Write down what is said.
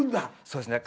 そうですね。